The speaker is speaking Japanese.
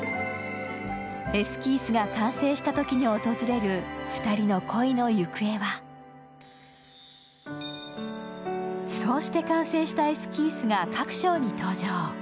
エスキースが完成したときに訪れる、２人の恋の行方はそうして完成したエスキースが各章に登場。